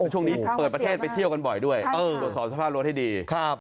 ช่วงนี้เปิดประเทศไปเที่ยวกันบ่อยด้วยตรวจสอบสภาพรถให้ดี